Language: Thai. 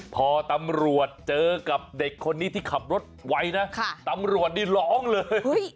พอตำรวจเจอกับเด็กคนนี้ที่ขับรถไวนะตำรวจนี่ร้องเลย